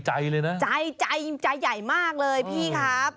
จ่ายเลยนะจ่ายจ่ายใหญ่มากเลยพี่ครับ